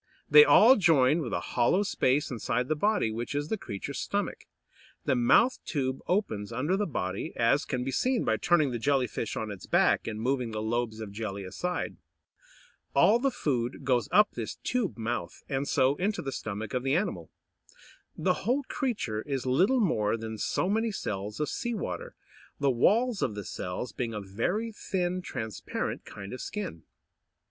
They all join with a hollow space inside the body, which is the creature's stomach. The mouth tube opens under the body, as can be seen by turning the Jelly fish on its back, and moving the lobes of jelly aside. All the food goes up this tube mouth, and so into the stomach of the animal. The whole creature is little more than so many cells of sea water, the walls of the cells being a very thin, transparent kind of skin.